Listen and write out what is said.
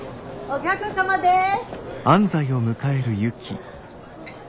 お客様です。